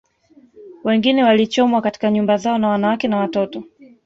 Wengine walichomwa katika nyumba zao na wanawake na watoto